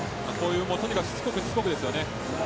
とにかくしつこく、しつこくです。